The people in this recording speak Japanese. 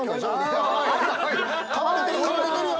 飼われてるよ。